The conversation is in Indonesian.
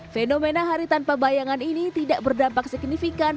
fenomena hari tanpa bayangan ini tidak berdampak signifikan